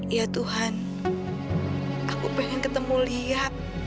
ya tuhan aku pengen ketemu liat